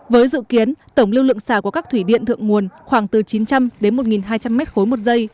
với dự kiến tổng lưu lượng xả của các thủy điện thượng nguồn khoảng từ chín trăm linh đến một hai trăm linh m ba một giây